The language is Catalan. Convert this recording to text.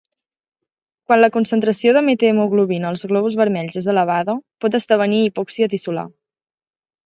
Quan la concentració de metahemoglobina als glòbuls vermells és elevada, pot esdevenir hipòxia tissular.